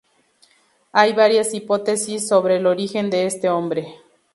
Hay varias hipótesis sobre el origen de este nombre.